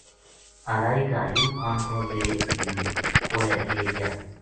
الائی کا ایوب خان کو لے لے گیا